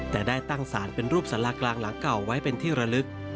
แต่ได้ตั้งสารเป็นรูปสารากลางหลังเก่าไว้เป็นที่ระลึก